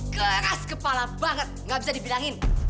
geras kepala banget gak bisa dibilangin